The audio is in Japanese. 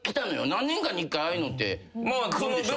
何年かに１回ああいうのって来るでしょ。